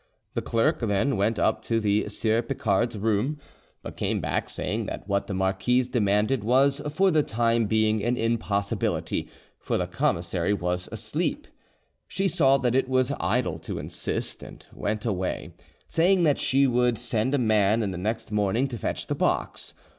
The clerk then went up to the Sieur Picard's bedroom, but came back saying that what the marquise demanded was for the time being an impossibility, for the commissary was asleep. She saw that it was idle to insist, and went away, saying that she should send a man the next morning to fetch the box.